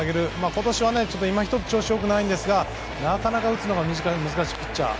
今年は、今一つ調子が良くないのですが打つのが難しいピッチャー。